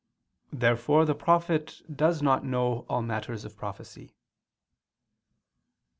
Therefore the prophet does not know all matters of prophecy.